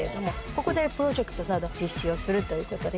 ここでプロジェクトなど実施をするということです。